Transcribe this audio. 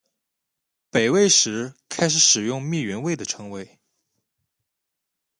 北魏时开始使用密云为的称谓。